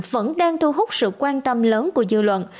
vẫn đang thu hút sự quan tâm lớn của dư luận